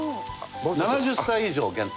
７０歳以上限定。